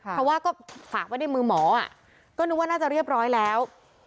เพราะว่าก็ฝากไว้ในมือหมอก็นึกว่าน่าจะเรียบร้อยแล้ว